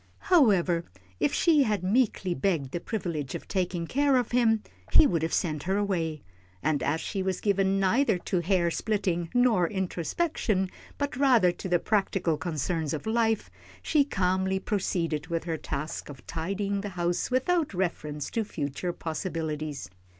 However, if she had meekly begged the privilege of taking care of him, he would have sent her away, and as she was given neither to hair splitting nor introspection, but rather to the practical concerns of life, she calmly proceeded with her task of tidying the house without reference to future possibilities.